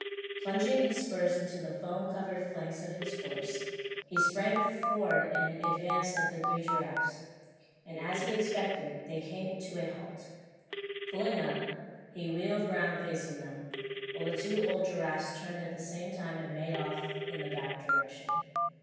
Plunging his spurs into the foam covered flanks of his horse, he sprang forward in advance of the three giraffes; and as he expected, they came to a halt. Pulling up, he wheeled round facing them, while the two old giraffes turned at the same time and made off in the back direction.